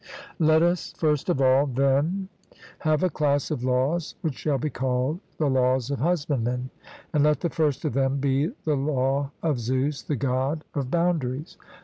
Let us first of all, then, have a class of laws which shall be called the laws of husbandmen. And let the first of them be the law of Zeus, the God of boundaries.